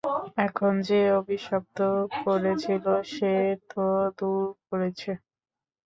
এখন যে অভিশপ্ত করেছিলো সে তা দূর করেছে।